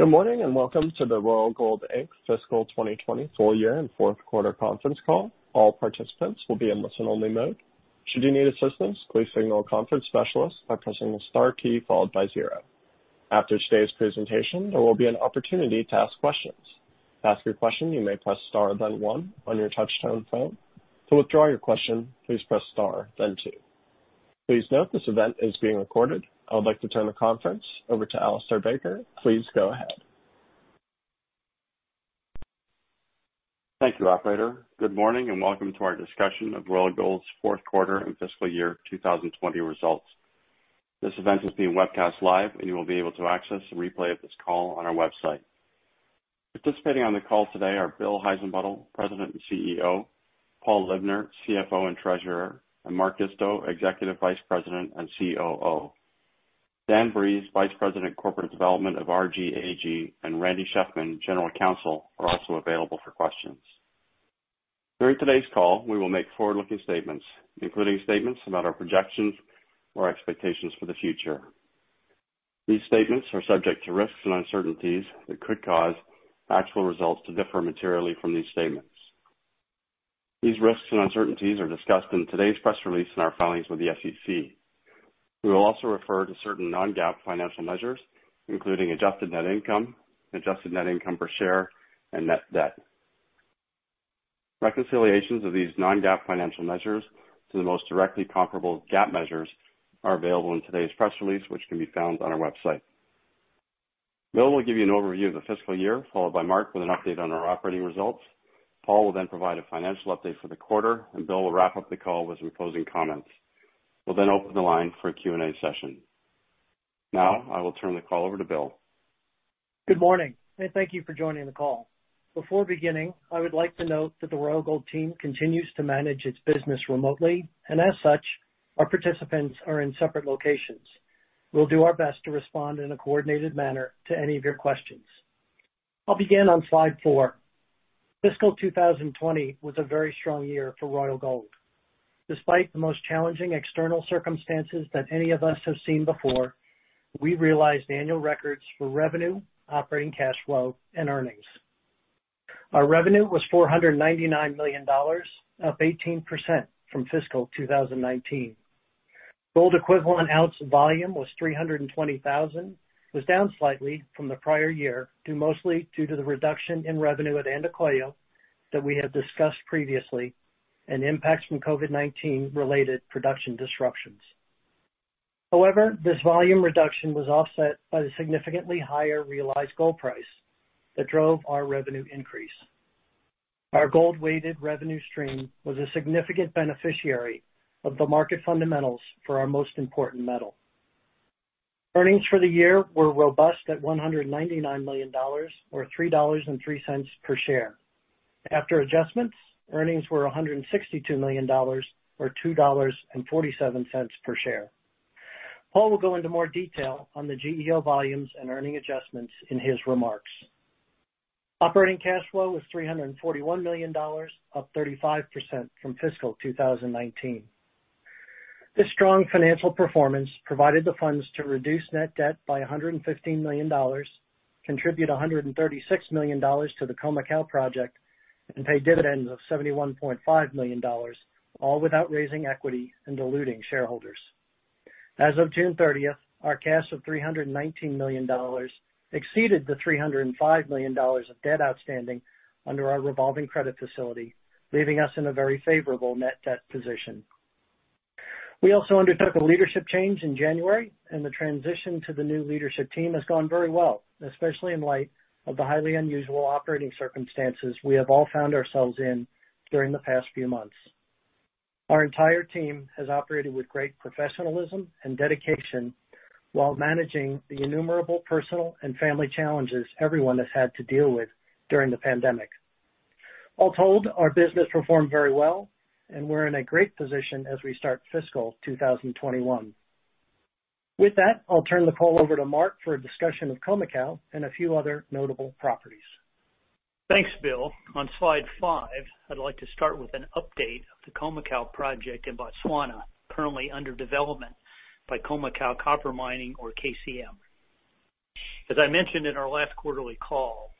Good morning, and welcome to the Royal Gold, Inc. fiscal 2020 full year and fourth quarter conference call. I would like to turn the conference over to Alistair Baker. Please go ahead. Thank you, operator. Good morning, and welcome to our discussion of Royal Gold's fourth quarter and fiscal year 2020 results. This event is being webcast live, and you will be able to access a replay of this call on our website. Participating on the call today are Bill Heissenbuttel, President and CEO, Paul Libner, CFO and Treasurer, and Mark Isto, Executive Vice President and COO. Dan Breeze, Vice President Corporate Development of RG AG, and Randy Shefman, General Counsel, are also available for questions. During today's call, we will make forward-looking statements, including statements about our projections or expectations for the future. These statements are subject to risks and uncertainties that could cause actual results to differ materially from these statements. These risks and uncertainties are discussed in today's press release in our filings with the SEC. We will also refer to certain non-GAAP financial measures, including adjusted net income, adjusted net income per share, and net debt. Reconciliations of these non-GAAP financial measures to the most directly comparable GAAP measures are available in today's press release, which can be found on our website. Bill will give you an overview of the fiscal year, followed by Mark with an update on our operating results. Paul will then provide a financial update for the quarter, and Bill will wrap up the call with some closing comments. We'll then open the line for a Q&A session. I will turn the call over to Bill. Good morning. Thank you for joining the call. Before beginning, I would like to note that the Royal Gold team continues to manage its business remotely, and as such, our participants are in separate locations. We'll do our best to respond in a coordinated manner to any of your questions. I'll begin on slide four. Fiscal 2020 was a very strong year for Royal Gold. Despite the most challenging external circumstances that any of us have seen before, we realized annual records for revenue, operating cash flow, and earnings. Our revenue was $499 million, up 18% from fiscal 2019. Gold equivalent ounce volume was 320,000. It was down slightly from the prior year, mostly due to the reduction in revenue at Andacollo that we had discussed previously and impacts from COVID-19 related production disruptions. This volume reduction was offset by the significantly higher realized gold price that drove our revenue increase. Our gold-weighted revenue stream was a significant beneficiary of the market fundamentals for our most important metal. Earnings for the year were robust at $199 million, or $3.03 per share. After adjustments, earnings were $162 million, or $2.47 per share. Paul Libner will go into more detail on the GEO volumes and earning adjustments in his remarks. Operating cash flow was $341 million, up 35% from fiscal 2019. This strong financial performance provided the funds to reduce net debt by $115 million, contribute $136 million to the Khoemacau project, and pay dividends of $71.5 million, all without raising equity and diluting shareholders. As of June 30th, our cash of $319 million exceeded the $305 million of debt outstanding under our revolving credit facility, leaving us in a very favorable net debt position. We also undertook a leadership change in January, and the transition to the new leadership team has gone very well, especially in light of the highly unusual operating circumstances we have all found ourselves in during the past few months. Our entire team has operated with great professionalism and dedication while managing the innumerable personal and family challenges everyone has had to deal with during the pandemic. All told, our business performed very well, and we're in a great position as we start fiscal 2021. With that, I'll turn the call over to Mark for a discussion of Khoemacau and a few other notable properties. Thanks, Bill. On slide five, I'd like to start with an update of the Khoemacau project in Botswana, currently under development by Khoemacau Copper Mining or KCM. As I mentioned in our last quarterly call,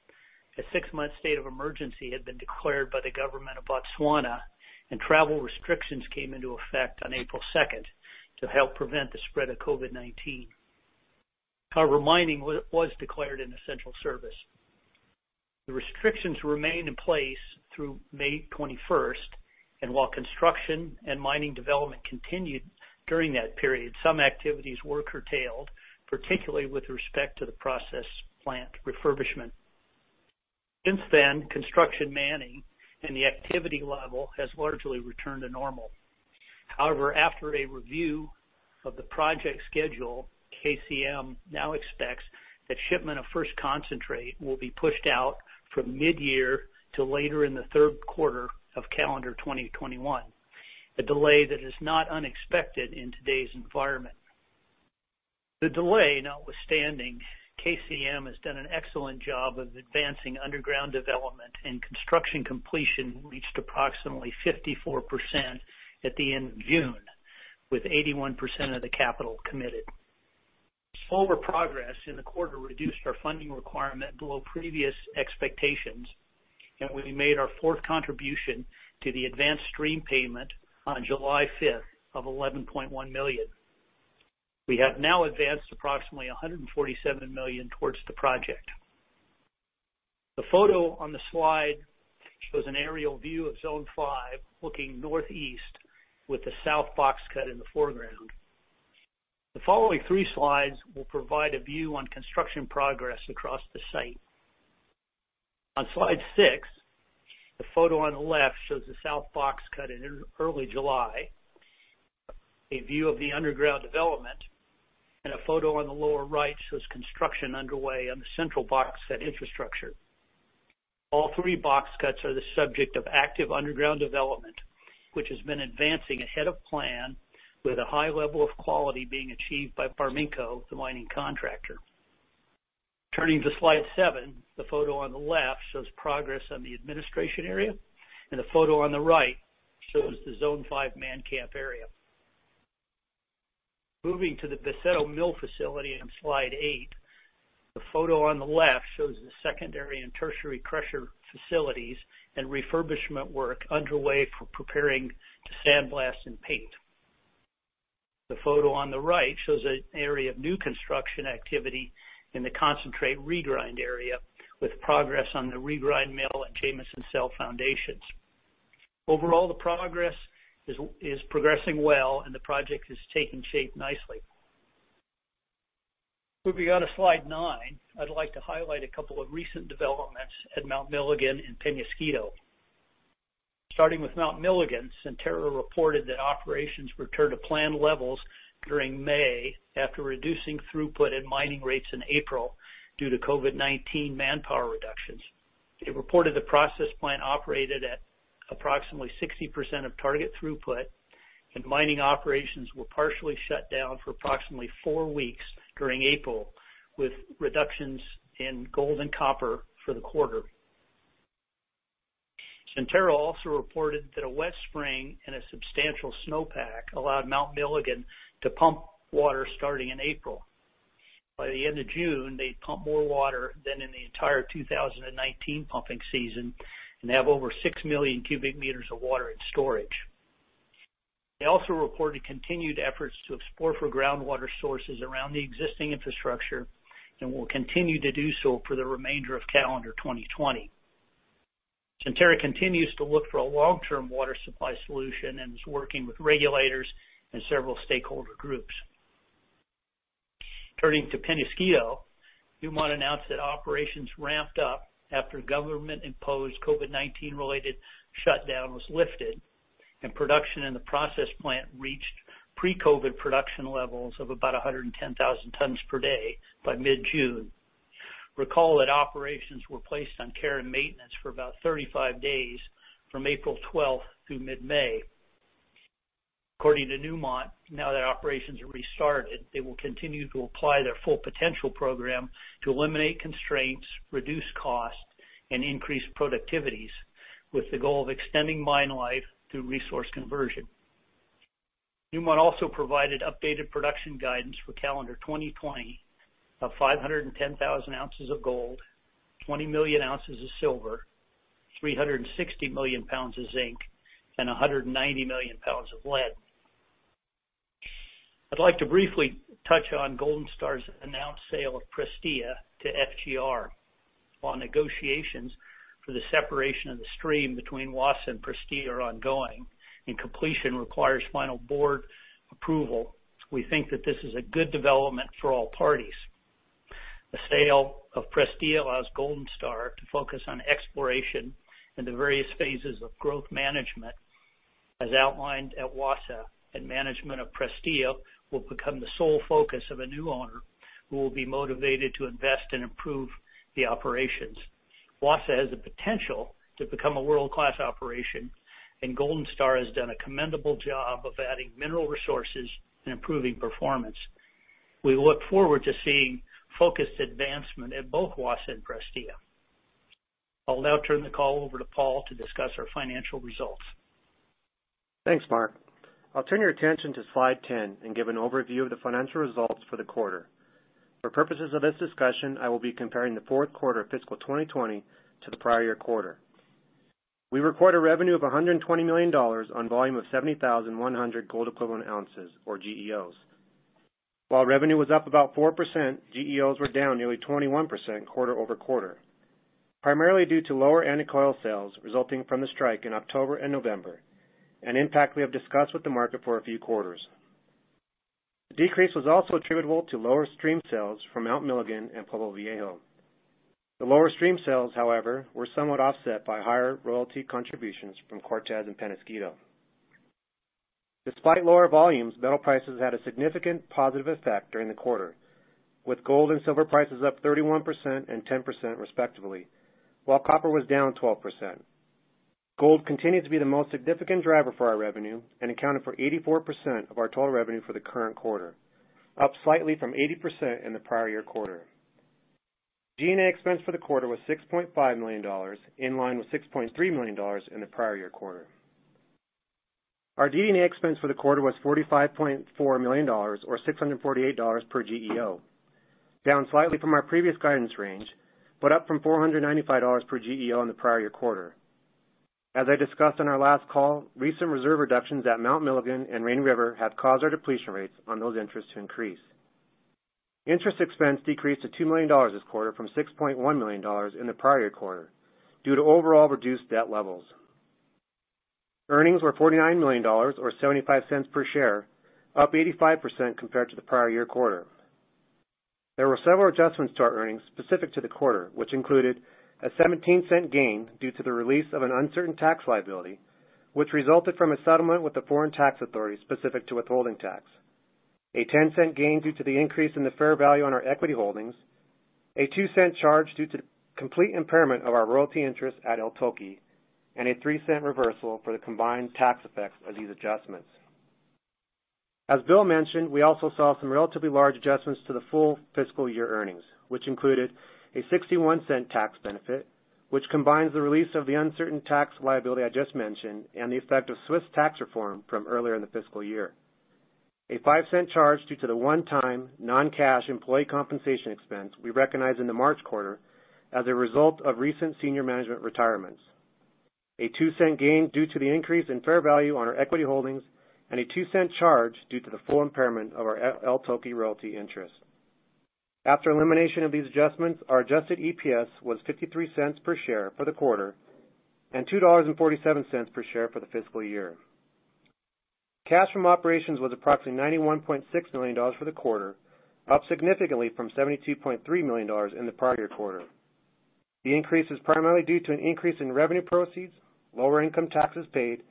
a six-month state of emergency had been declared by the government of Botswana, and travel restrictions came into effect on April second to help prevent the spread of COVID-19. However, mining was declared an essential service. The restrictions remained in place through May 21st, and while construction and mining development continued during that period, some activities were curtailed, particularly with respect to the process plant refurbishment. Since then, construction manning and the activity level has largely returned to normal. However, after a review of the project schedule, KCM now expects that shipment of first concentrate will be pushed out from mid-year to later in the third quarter of calendar 2021, a delay that is not unexpected in today's environment. The delay notwithstanding, KCM has done an excellent job of advancing underground development, and construction completion reached approximately 54% at the end of June. With 81% of the capital committed. Slower progress in the quarter reduced our funding requirement below previous expectations, and we made our fourth contribution to the advanced stream payment on July fifth of $11.1 million. We have now advanced approximately $147 million towards the project. The photo on the slide shows an aerial view of Zone five looking northeast with the south box cut in the foreground. The following three slides will provide a view on construction progress across the site. On slide six, the photo on the left shows the south box cut in early July, a view of the underground development, and a photo on the lower right shows construction underway on the central box cut infrastructure. All three box cuts are the subject of active underground development, which has been advancing ahead of plan with a high level of quality being achieved by Barminco, the mining contractor. Turning to slide seven, the photo on the left shows progress on the administration area. The photo on the right shows the Zone five man camp area. Moving to the Boseto Mill facility on slide eight, the photo on the left shows the secondary and tertiary crusher facilities and refurbishment work underway for preparing to sandblast and paint. The photo on the right shows an area of new construction activity in the concentrate regrind area, with progress on the regrind mill and Jameson Cell foundations. Overall, the progress is progressing well and the project is taking shape nicely. Moving on to slide nine, I'd like to highlight a couple of recent developments at Mount Milligan and Peñasquito. Starting with Mount Milligan, Centerra reported that operations returned to planned levels during May after reducing throughput and mining rates in April due to COVID-19 manpower reductions. It reported the process plant operated at approximately 60% of target throughput, and mining operations were partially shut down for approximately four weeks during April, with reductions in gold and copper for the quarter. Centerra also reported that a wet spring and a substantial snowpack allowed Mount Milligan to pump water starting in April. By the end of June, they'd pumped more water than in the entire 2019 pumping season and have over six million cubic meters of water in storage. They also reported continued efforts to explore for groundwater sources around the existing infrastructure and will continue to do so for the remainder of calendar 2020. Centerra continues to look for a long-term water supply solution and is working with regulators and several stakeholder groups. Turning to Peñasquito, Newmont announced that operations ramped up after government-imposed COVID-19 related shutdown was lifted and production in the process plant reached pre-COVID production levels of about 110,000 tons per day by mid-June. Recall that operations were placed on care and maintenance for about 35 days from April 12th through mid-May. According to Newmont, now that operations are restarted, they will continue to apply their full potential program to eliminate constraints, reduce costs, and increase productivities, with the goal of extending mine life through resource conversion. Newmont also provided updated production guidance for calendar 2020 of 510,000 ounces of gold, 20 million ounces of silver, 360 million pounds of zinc, and 190 million pounds of lead. I'd like to briefly touch on Golden Star's announced sale of Prestea to FGR. While negotiations for the separation of the stream between Wassa and Prestea are ongoing and completion requires final board approval, we think that this is a good development for all parties. The sale of Prestea allows Golden Star to focus on exploration and the various phases of growth management as outlined at Wassa, and management of Prestea will become the sole focus of a new owner who will be motivated to invest and improve the operations. Wassa has the potential to become a world-class operation, and Golden Star has done a commendable job of adding mineral resources and improving performance. We look forward to seeing focused advancement at both Wassa and Prestea. I'll now turn the call over to Paul to discuss our financial results. Thanks, Mark. I'll turn your attention to slide 10 and give an overview of the financial results for the quarter. For purposes of this discussion, I will be comparing the fourth quarter of fiscal 2020 to the prior year quarter. We recorded revenue of $120 million on volume of 70,100 gold equivalent ounces, or GEOs. While revenue was up about 4%, GEOs were down nearly 21% quarter-over-quarter, primarily due to lower Andacollo sales resulting from the strike in October and November, an impact we have discussed with the market for a few quarters. The decrease was also attributable to lower stream sales from Mount Milligan and Pueblo Viejo. The lower stream sales, however, were somewhat offset by higher royalty contributions from Cortez and Peñasquito. Despite lower volumes, metal prices had a significant positive effect during the quarter, with gold and silver prices up 31% and 10% respectively, while copper was down 12%. Gold continued to be the most significant driver for our revenue and accounted for 84% of our total revenue for the current quarter, up slightly from 80% in the prior year quarter. DD&A expense for the quarter was $6.5 million, in line with $6.3 million in the prior year quarter. Our DD&A expense for the quarter was $45.4 million, or $648 per GEO, down slightly from our previous guidance range, but up from $495 per GEO in the prior year quarter. As I discussed on our last call, recent reserve reductions at Mount Milligan and Rainy River have caused our depletion rates on those interests to increase. Interest expense decreased to $2 million this quarter from $6.1 million in the prior year quarter due to overall reduced debt levels. Earnings were $49 million, or $0.75 per share, up 85% compared to the prior year quarter. There were several adjustments to our earnings specific to the quarter, which included a $0.17 gain due to the release of an uncertain tax liability, which resulted from a settlement with the foreign tax authority specific to withholding tax, a $0.10 gain due to the increase in the fair value on our equity holdings, a $0.02 charge due to complete impairment of our royalty interest at El Toqui, and a $0.03 reversal for the combined tax effects of these adjustments. As Bill mentioned, we also saw some relatively large adjustments to the full fiscal year earnings, which included a $0.61 tax benefit, which combines the release of the uncertain tax liability I just mentioned and the effect of Swiss tax reform from earlier in the fiscal year, a $0.05 charge due to the one-time non-cash employee compensation expense we recognized in the March quarter as a result of recent senior management retirements, a $0.02 gain due to the increase in fair value on our equity holdings, and a $0.02 charge due to the full impairment of our El Toqui royalty interest. After elimination of these adjustments, our adjusted EPS was $0.53 per share for the quarter and $2.47 per share for the fiscal year. Cash from operations was approximately $91.6 million for the quarter, up significantly from $72.3 million in the prior year quarter. The increase is primarily due to an increase in revenue proceeds, lower income taxes paid,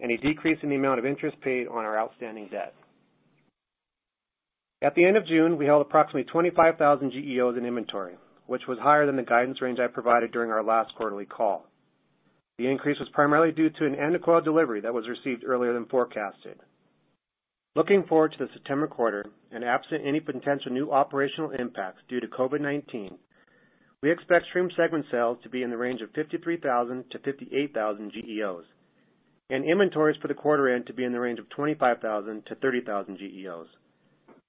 and a decrease in the amount of interest paid on our outstanding debt. At the end of June, we held approximately 25,000 GEOs in inventory, which was higher than the guidance range I provided during our last quarterly call. The increase was primarily due to an end of coil delivery that was received earlier than forecasted. Looking forward to the September quarter and absent any potential new operational impacts due to COVID-19, we expect stream segment sales to be in the range of 53,000 to 58,000 GEOs, and inventories for the quarter end to be in the range of 25,000 to 30,000 GEOs.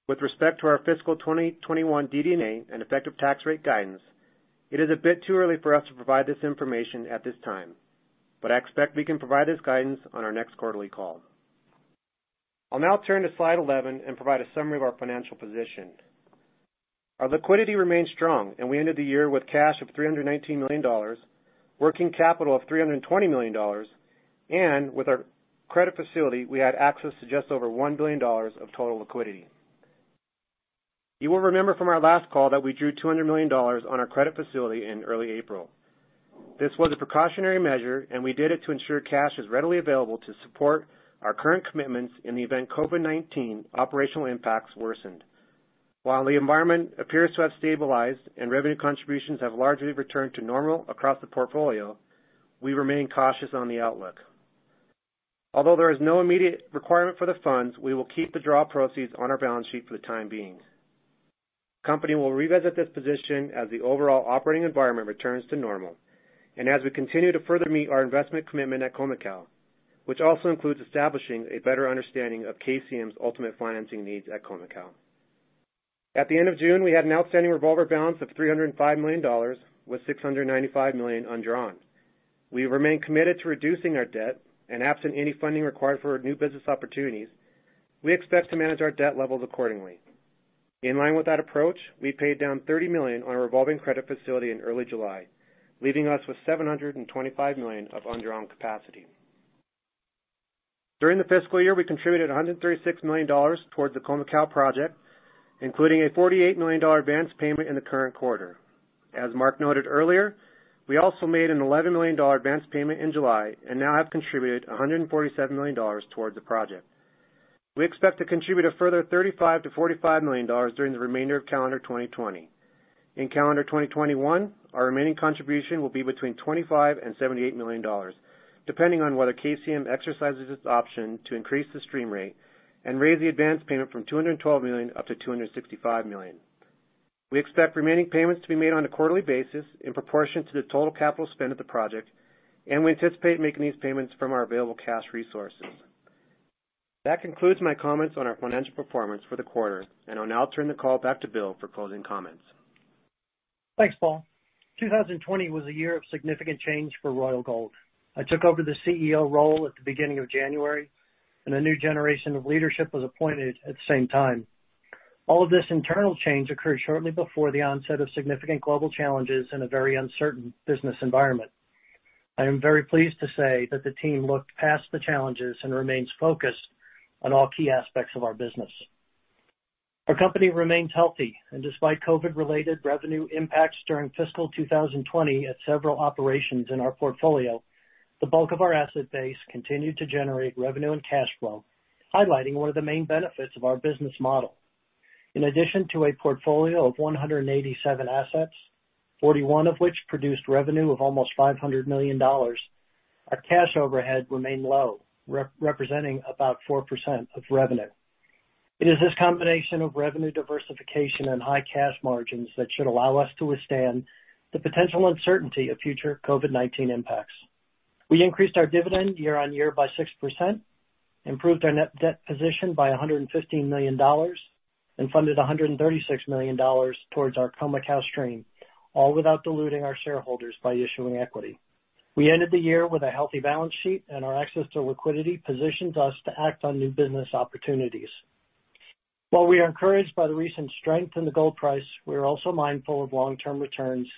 With respect to our fiscal 2021 DD&A and effective tax rate guidance, it is a bit too early for us to provide this information at this time, but I expect we can provide this guidance on our next quarterly call. I'll now turn to slide 11 and provide a summary of our financial position. Our liquidity remains strong, and we ended the year with cash of $319 million, working capital of $320 million, and with our credit facility, we had access to just over $1 billion of total liquidity. You will remember from our last call that we drew $200 million on our credit facility in early April. This was a precautionary measure, and we did it to ensure cash is readily available to support our current commitments in the event COVID-19 operational impacts worsened. While the environment appears to have stabilized and revenue contributions have largely returned to normal across the portfolio, we remain cautious on the outlook. There is no immediate requirement for the funds, we will keep the draw proceeds on our balance sheet for the time being. The company will revisit this position as the overall operating environment returns to normal, and as we continue to further meet our investment commitment at Khoemacau, which also includes establishing a better understanding of KCM's ultimate financing needs at Khoemacau. At the end of June, we had an outstanding revolver balance of $305 million, with $695 million undrawn. We remain committed to reducing our debt, absent any funding required for new business opportunities, we expect to manage our debt levels accordingly. In line with that approach, we paid down $30 million on a revolving credit facility in early July, leaving us with $725 million of undrawn capacity. During the fiscal year, we contributed $136 million towards the Khoemacau project, including a $48 million advance payment in the current quarter. As Mark noted earlier, we also made an $11 million advance payment in July and now have contributed $147 million towards the project. We expect to contribute a further $35 million-$45 million during the remainder of calendar 2020. In calendar 2021, our remaining contribution will be between $25 million and $78 million, depending on whether KCM exercises its option to increase the stream rate and raise the advance payment from $212 million up to $265 million. We expect remaining payments to be made on a quarterly basis in proportion to the total capital spend of the project, and we anticipate making these payments from our available cash resources. That concludes my comments on our financial performance for the quarter, and I'll now turn the call back to Bill for closing comments. Thanks, Paul. 2020 was a year of significant change for Royal Gold. I took over the CEO role at the beginning of January, and a new generation of leadership was appointed at the same time. All of this internal change occurred shortly before the onset of significant global challenges in a very uncertain business environment. I am very pleased to say that the team looked past the challenges and remains focused on all key aspects of our business. Our company remains healthy, and despite COVID-related revenue impacts during fiscal 2020 at several operations in our portfolio, the bulk of our asset base continued to generate revenue and cash flow, highlighting one of the main benefits of our business model. In addition to a portfolio of 187 assets, 41 of which produced revenue of almost $500 million, our cash overhead remained low, representing about 4% of revenue. It is this combination of revenue diversification and high cash margins that should allow us to withstand the potential uncertainty of future COVID-19 impacts. We increased our dividend year-on-year by 6%, improved our net debt position by $115 million, and funded $136 million towards our Khoemacau stream, all without diluting our shareholders by issuing equity. We ended the year with a healthy balance sheet, and our access to liquidity positions us to act on new business opportunities. While we are encouraged by the recent strength in the gold price, we are also mindful of long-term returns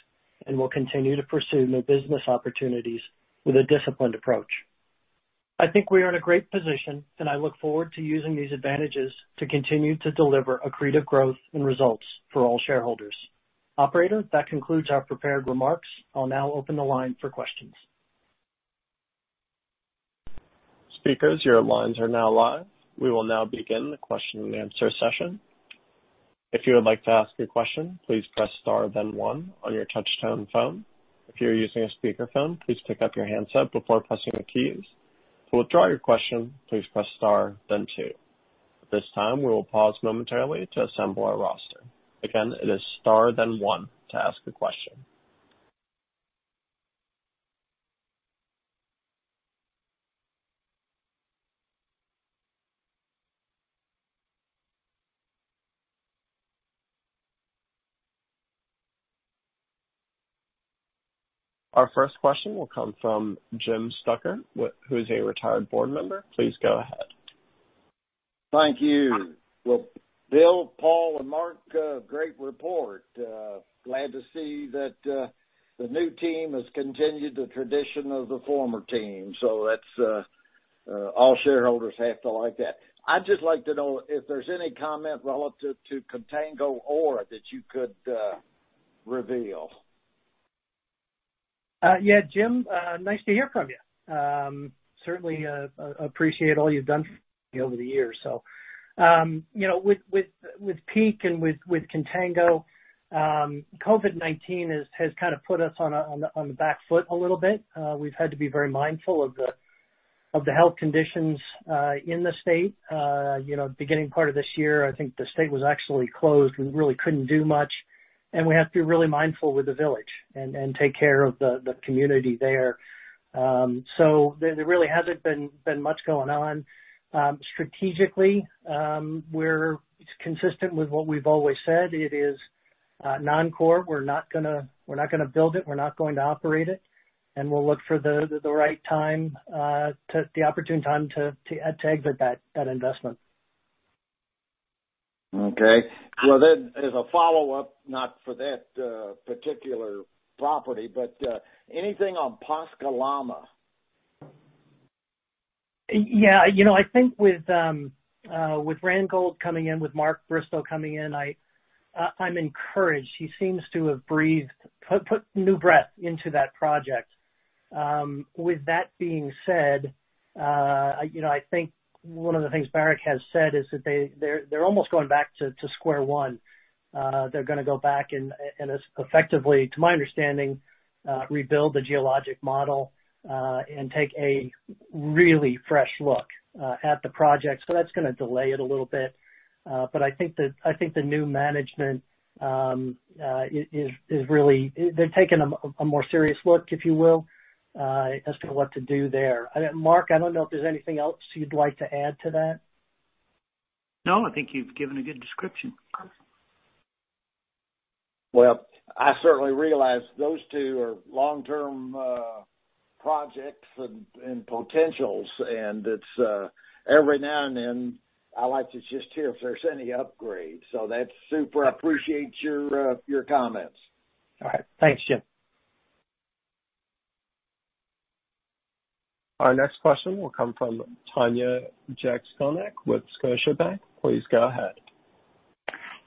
and will continue to pursue new business opportunities with a disciplined approach. I think we are in a great position. I look forward to using these advantages to continue to deliver accretive growth and results for all shareholders. Operator, that concludes our prepared remarks. I'll now open the line for questions. Our first question will come from Jim Stuckert, who is a retired board member. Please go ahead. Thank you. Well, Bill, Paul and Mark, great report. Glad to see that the new team has continued the tradition of the former team. All shareholders have to like that. I'd just like to know if there's any comment relative to Contango ORE that you could reveal. Jim, nice to hear from you. Certainly, appreciate all you've done for me over the years. With Peak and with Contango, COVID-19 has kind of put us on the back foot a little bit. We've had to be very mindful of the health conditions in the state. Beginning part of this year, I think the state was actually closed. We really couldn't do much. We have to be really mindful with the village and take care of the community there. There really hasn't been much going on. Strategically, it's consistent with what we've always said. It is non-core. We're not going to build it, we're not going to operate it. We'll look for the opportune time to exit that investment. Okay. Well, as a follow-up, not for that particular property, but anything on Pascua-Lama? Yeah. I think with Randgold coming in, with Mark Bristow coming in, I'm encouraged. He seems to have put new breath into that project. With that being said, I think one of the things Barrick has said is that they're almost going back to square one. They're going to go back and effectively, to my understanding, rebuild the geologic model, and take a really fresh look at the project. That's going to delay it a little bit. I think the new management is really, they're taking a more serious look, if you will, as to what to do there. Mark, I don't know if there's anything else you'd like to add to that. No, I think you've given a good description. I certainly realize those two are long-term projects and potentials, and every now and then, I like to just hear if there's any upgrades. That's super. I appreciate your comments. All right. Thanks, Jim. Our next question will come from Tanya Jakusconek with Scotiabank. Please go ahead.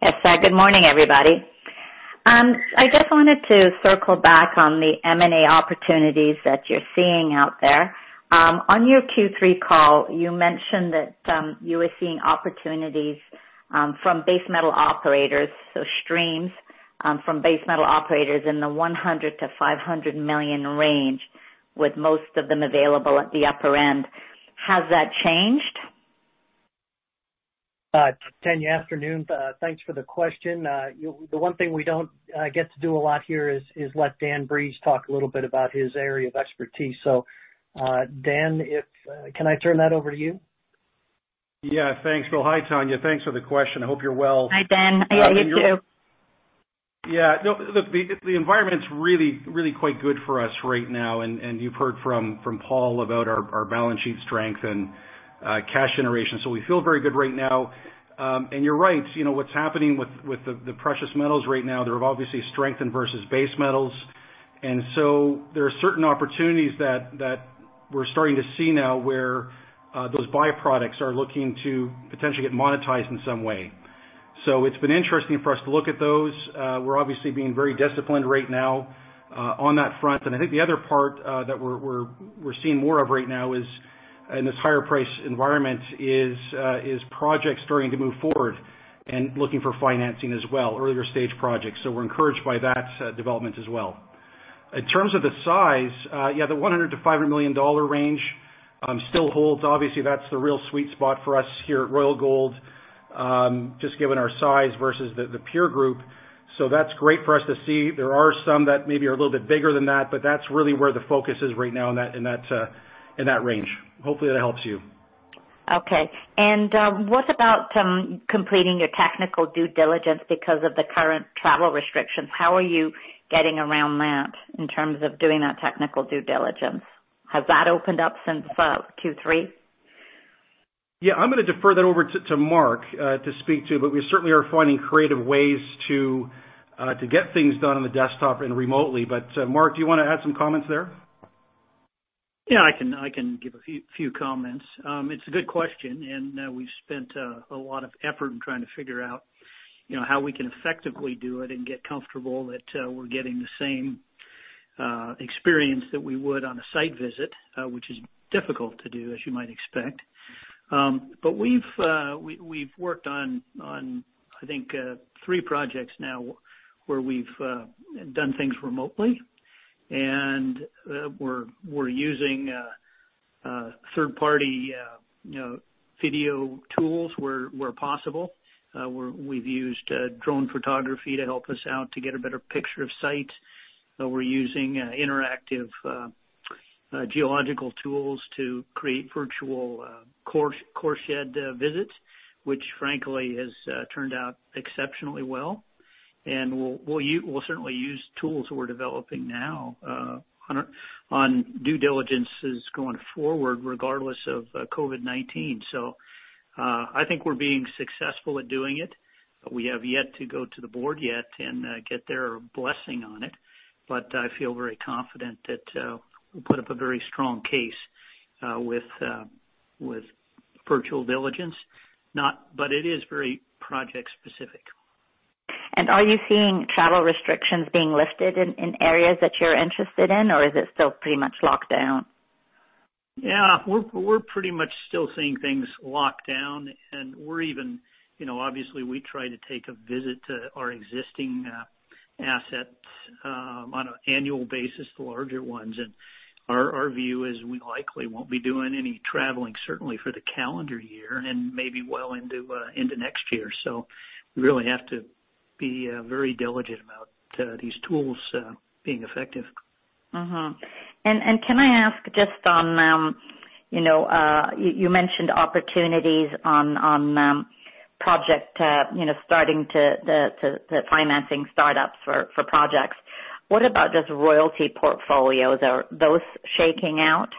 Yes, sir. Good morning, everybody. I just wanted to circle back on the M&A opportunities that you're seeing out there. On your Q3 call, you mentioned that you were seeing opportunities from base metal operators, so streams from base metal operators in the $100 million-$500 million range, with most of them available at the upper end. Has that changed? Tanya, afternoon. Thanks for the question. The one thing we don't get to do a lot here is let Dan Breeze talk a little bit about his area of expertise. Dan, can I turn that over to you? Yeah, thanks. Well, hi, Tanya. Thanks for the question. I hope you're well. Hi, Dan. Yeah, you too. The environment's really quite good for us right now, and you've heard from Paul about our balance sheet strength and cash generation. We feel very good right now. You're right. What's happening with the precious metals right now, they're obviously strengthened versus base metals. There are certain opportunities that we're starting to see now where those byproducts are looking to potentially get monetized in some way. It's been interesting for us to look at those. We're obviously being very disciplined right now on that front. I think the other part that we're seeing more of right now is, in this higher price environment, is projects starting to move forward and looking for financing as well, earlier stage projects. We're encouraged by that development as well. In terms of the size, the $100 million-$500 million range, still holds. That's the real sweet spot for us here at Royal Gold, just given our size versus the peer group. That's great for us to see. There are some that maybe are a little bit bigger than that, but that's really where the focus is right now, in that range. Hopefully, that helps you. Okay. What about completing your technical due diligence because of the current travel restrictions? How are you getting around that in terms of doing that technical due diligence? Has that opened up since Q3? I'm going to defer that over to Mark to speak to, but we certainly are finding creative ways to get things done on the desktop and remotely. Mark, do you want to add some comments there? Yeah, I can give a few comments. It's a good question, we've spent a lot of effort in trying to figure out how we can effectively do it and get comfortable that we're getting the same experience that we would on a site visit, which is difficult to do, as you might expect. We've worked on, I think, three projects now where we've done things remotely, and we're using third party video tools where possible. We've used drone photography to help us out to get a better picture of site. We're using interactive geological tools to create virtual coreshed visits, which frankly, has turned out exceptionally well. We'll certainly use tools we're developing now on due diligences going forward, regardless of COVID-19. I think we're being successful at doing it. We have yet to go to the board yet and get their blessing on it, but I feel very confident that we'll put up a very strong case with virtual diligence. It is very project specific. Are you seeing travel restrictions being lifted in areas that you're interested in, or is it still pretty much locked down? Yeah. We're pretty much still seeing things locked down, and obviously we try to take a visit to our existing assets on an annual basis, the larger ones. Our view is we likely won't be doing any traveling, certainly for the calendar year and maybe well into next year. We really have to be very diligent about these tools being effective. Can I ask just on, you mentioned opportunities on project, starting the financing startups for projects. What about just royalty portfolios? Are those shaking out?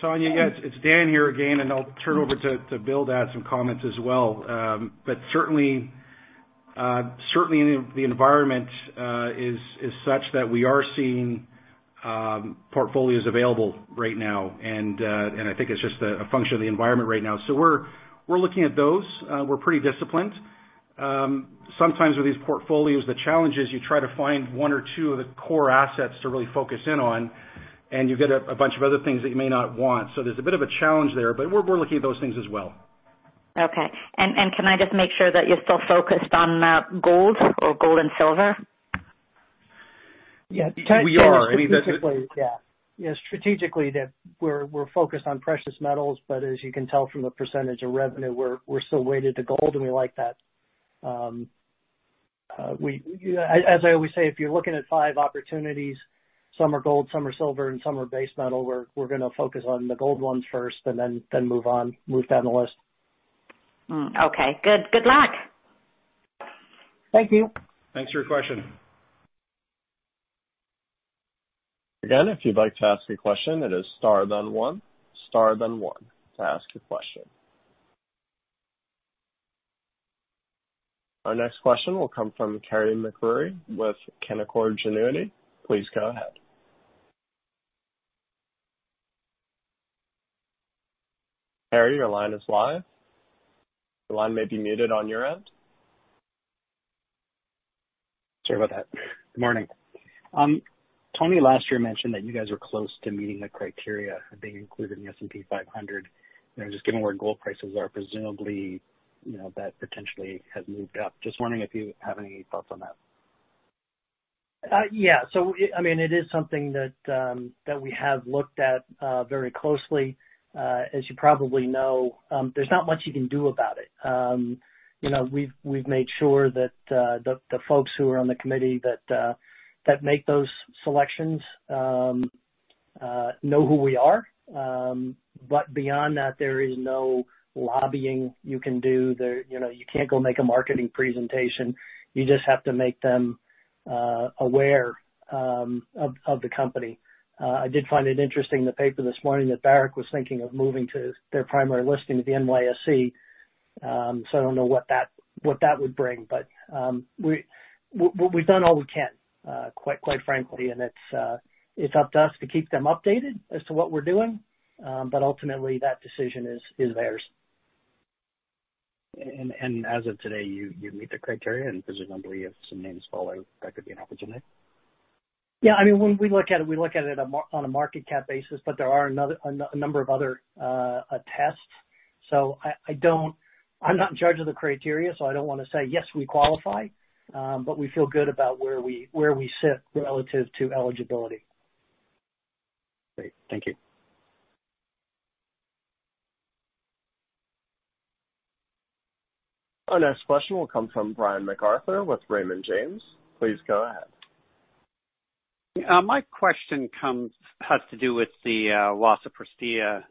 Tanya, yes, it's Dan here again, and I'll turn over to Bill to add some comments as well. Certainly, the environment is such that we are seeing portfolios available right now, and I think it's just a function of the environment right now. We're looking at those. We're pretty disciplined. Sometimes with these portfolios, the challenge is you try to find one or two of the core assets to really focus in on, and you get a bunch of other things that you may not want. There's a bit of a challenge there. We're looking at those things as well. Okay. Can I just make sure that you're still focused on gold or gold and silver? Yeah, we are. Yeah. Strategically, we're focused on precious metals, but as you can tell from the percentage of revenue, we're still weighted to gold, and we like that. As I always say, if you're looking at five opportunities, some are gold, some are silver, and some are base metal, we're going to focus on the gold ones first and then move down the list. Okay, good. Good luck. Thank you. Thanks for your question. Our next question will come from Carey MacRury with Canaccord Genuity. Sorry about that. Good morning. Tony last year mentioned that you guys were close to meeting the criteria of being included in the S&P 500. Given where gold prices are, presumably, that potentially has moved up. Wondering if you have any thoughts on that. Yeah. It is something that we have looked at very closely. As you probably know, there's not much you can do about it. We've made sure that the folks who are on the committee that make those selections know who we are. Beyond that, there is no lobbying you can do there. You can't go make a marketing presentation. You just have to make them aware of the company. I did find it interesting in the paper this morning that Barrick was thinking of moving their primary listing to the NYSE. I don't know what that would bring. We've done all we can, quite frankly. It's up to us to keep them updated as to what we're doing. Ultimately, that decision is theirs. As of today, you meet the criteria, and presumably if some names fall out, that could be an opportunity? When we look at it, we look at it on a market cap basis, but there are a number of other tests. I'm not in charge of the criteria, so I don't want to say, "Yes, we qualify." We feel good about where we sit relative to eligibility. Great. Thank you. Our next question will come from Brian MacArthur with Raymond James. Please go ahead. My question has to do with the Prestea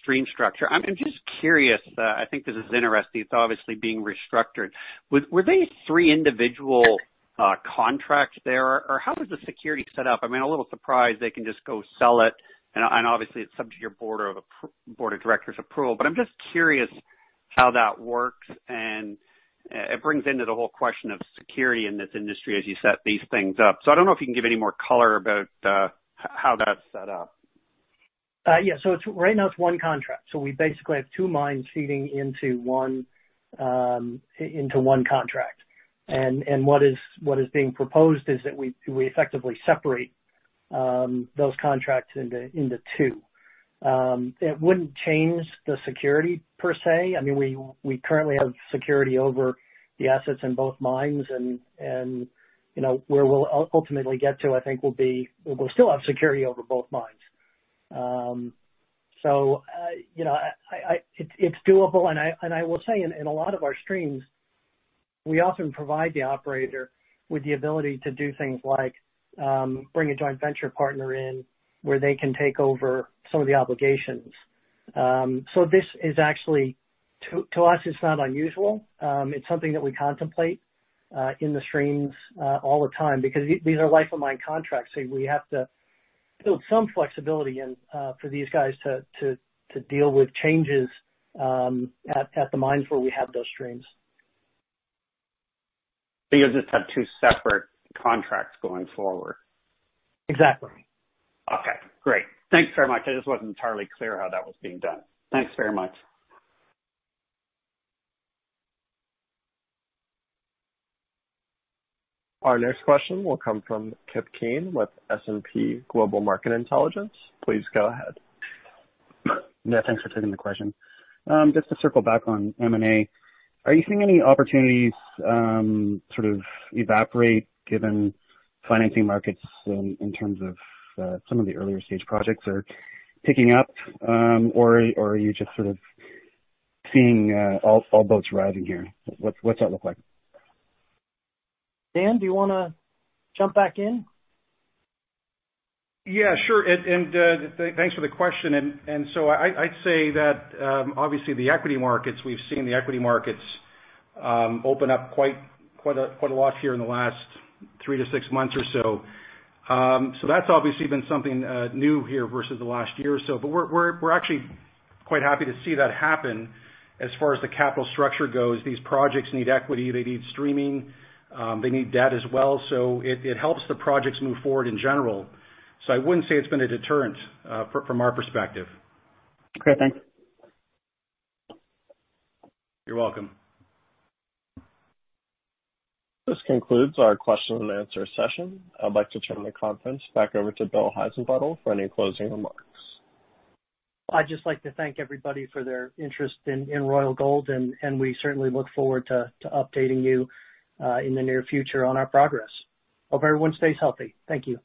stream structure. I'm just curious. I think this is interesting. It's obviously being restructured. Were they three individual contracts there? Or how does the security set up? I'm a little surprised they can just go sell it, and obviously it's subject to your Board of Directors approval. I'm just curious how that works, and it brings into the whole question of security in this industry as you set these things up. I don't know if you can give any more color about how that's set up. Right now it's one contract. We basically have two mines feeding into one contract, and what is being proposed is that we effectively separate those contracts into two. It wouldn't change the security per se. We currently have security over the assets in both mines, and where we'll ultimately get to, I think, we'll still have security over both mines. It's doable, and I will say, in a lot of our streams, we often provide the operator with the ability to do things like bring a joint venture partner in where they can take over some of the obligations. This is actually, to us, it's not unusual. It's something that we contemplate in the streams all the time because these are life of mine contracts, so we have to build some flexibility in for these guys to deal with changes at the mines where we have those streams. You'll just have two separate contracts going forward? Exactly. Okay, great. Thanks very much. I just wasn't entirely clear how that was being done. Thanks very much. Our next question will come from Kip Keen with S&P Global Market Intelligence. Please go ahead. Thanks for taking the question. Just to circle back on M&A, are you seeing any opportunities sort of evaporate given financing markets in terms of some of the earlier stage projects are picking up? Are you just sort of seeing all boats rising here? What's that look like? Dan, do you want to jump back in? Yeah, sure, and thanks for the question. I'd say that, obviously the equity markets, we've seen the equity markets open up quite a lot here in the last three to six months or so. That's obviously been something new here versus the last year or so. We're actually quite happy to see that happen as far as the capital structure goes. These projects need equity. They need streaming. They need debt as well. It helps the projects move forward in general. I wouldn't say it's been a deterrent from our perspective. Okay, thanks. You're welcome. This concludes our question and answer session. I'd like to turn the conference back over to Bill Heissenbuttel for any closing remarks. I'd just like to thank everybody for their interest in Royal Gold, and we certainly look forward to updating you in the near future on our progress. Hope everyone stays healthy. Thank you.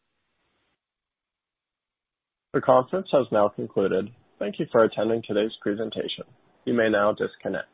The conference has now concluded. Thank you for attending today's presentation. You may now disconnect.